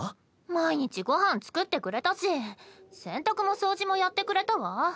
毎日ご飯作ってくれたし洗濯も掃除もやってくれたわ。